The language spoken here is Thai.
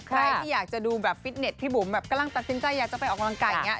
ใครที่อยากจะดูแบบฟิตเน็ตพี่บุ๋มแบบกำลังตัดสินใจอยากจะไปออกกำลังกายอย่างนี้